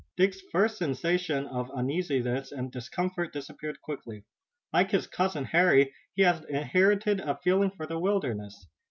Dick's first sensation of uneasiness and discomfort disappeared quickly. Like his cousin, Harry, he had inherited a feeling for the wilderness.